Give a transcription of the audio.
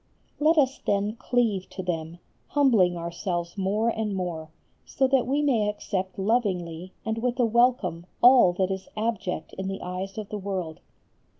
Let us then cleave to them, humbling ourselves more and more, so that we may accept lovingly and with a welcome all that is abject in the eyes of the world.